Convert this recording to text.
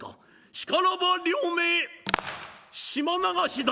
しからば両名島流しだ」。